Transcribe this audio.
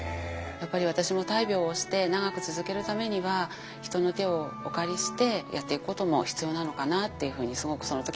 やっぱり私も大病をして長く続けるためには人の手をお借りしてやっていくことも必要なのかなっていうふうにすごくその時に考え直しました。